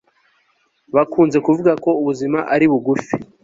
Bakunze kuvuga ko ubuzima ari bugufi